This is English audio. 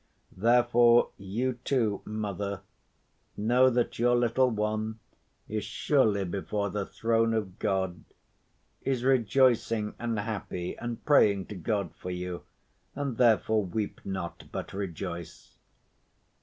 Therefore you too, mother, know that your little one is surely before the throne of God, is rejoicing and happy, and praying to God for you, and therefore weep not, but rejoice."